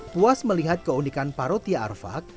puas melihat keunikan parotia arfak